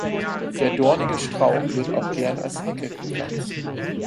Der dornige Strauch wird auch gern als Hecke gepflanzt.